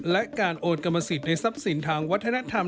และการโอนกรรมสิทธิ์ในทรัพย์สินทางวัฒนธรรม